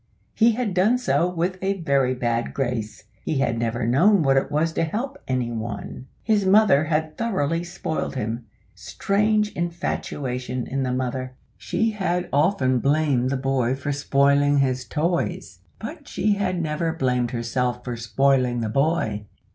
he had done so with a very bad grace. He had never known what it was to help any one. His mother had thoroughly spoiled him. Strange infatuation in the mother! She had often blamed the boy for spoiling his toys; but she had never blamed herself for spoiling the boy.